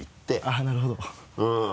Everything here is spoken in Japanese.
あぁなるほど。